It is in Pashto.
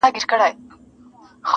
o سهار زه ومه بدنام او دی نېکنامه,